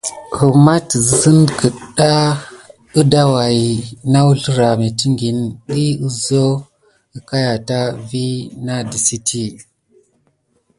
Kuma tisine gəda waya ho na wuzlera metikine diy kisok kegayata vi nadesiti.